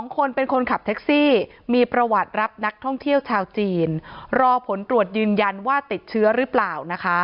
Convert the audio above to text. ๒คนเป็นคนขับแท็กซี่มีประวัติรับนักท่องเที่ยวชาวจีนรอผลตรวจยืนยันว่าติดเชื้อหรือเปล่านะคะ